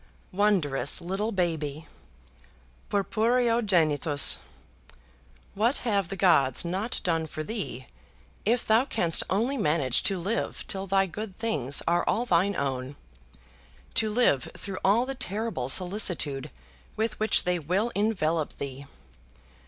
Wondrous little baby, purpureo genitus! What have the gods not done for thee, if thou canst only manage to live till thy good things are all thine own, to live through all the terrible solicitude with which they will envelope thee!